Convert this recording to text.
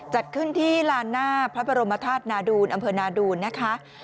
จัดขึ้นที่ลานหน้าพระบรมธาตุนาดูลอำเภอนาดูนนะคะ